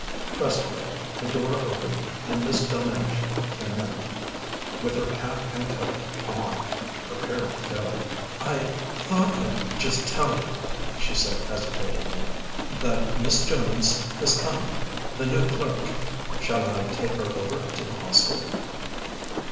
Presently the door opened and Miss Delmege came in with her hat and coat on, prepared to go. "I thought I'd just tell you," she said hesitatingly, "that Miss Jones has come the new clerk. Shall I take her over to the Hostel?"